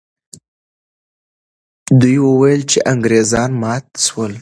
دوی وویل چې انګریزان مات سول.